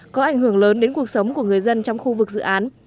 có ảnh hưởng lớn đến cuộc sống của người dân trong khu vực dự án